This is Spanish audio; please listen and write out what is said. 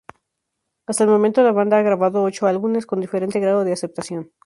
Hasta el momento la banda ha grabado ocho álbumes con diferente grado de aceptación.